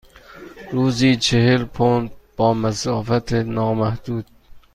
روزی چهل پوند با مسافت نامحدود.